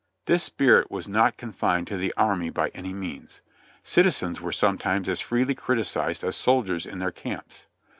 This spirit was not confined to the army by any means ; citizens were sometimes as freely criticized as soldiers in their camps.